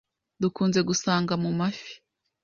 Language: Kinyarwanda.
dukunze gusanga mu mafi,